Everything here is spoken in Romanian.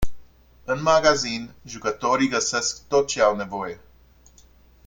În magazin jucătorii găsesc tot ce au nevoie.